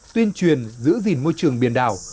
xuyên truyền giữ gìn môi trường biển đảo